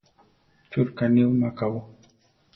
¿Chú reká niwíma akabó?